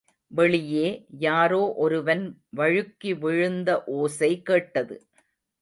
வெளியே யாரோ ஒருவன் வழுக்கி விழுந்த ஓசை கேட்டது.